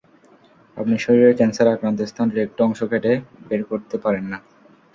আপনি শরীরের ক্যানসারে আক্রান্ত স্থানটির একটু অংশ কেটে বের করতে পারেন না।